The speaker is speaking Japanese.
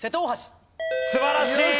素晴らしい！